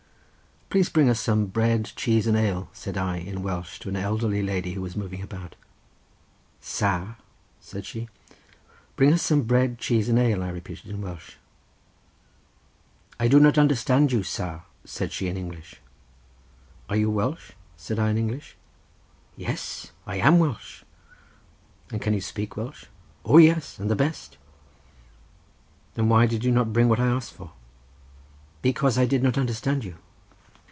"Please to bring us some bread, cheese and ale," said I in Welsh to an elderly woman, who was moving about. "Sar?" said she. "Bring us some bread, cheese and ale," I repeated in Welsh. "I do not understand you, sar," said she in English. "Are you Welsh?" said I in English. "Yes, I am Welsh!" "And can you speak Welsh?" "O, yes, and the best." "Then why did you not bring what I asked for?" "Because I did not understand you."